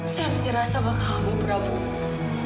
saya menyerah sama kamu prabowo